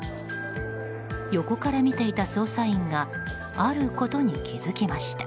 横から見ていた捜査員があることに気づきました。